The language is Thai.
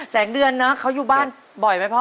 แสงเดือนนะเขาอยู่บ้านบ่อยไหมพ่อ